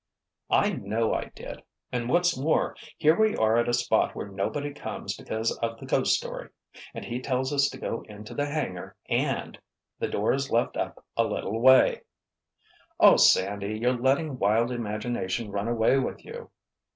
"I know I did—and, what's more, here we are at a spot where nobody comes because of the ghost story—and he tells us to go into the hangar and—the door is left up a little way——" "Oh, Sandy, you're letting wild imagination run away with you!"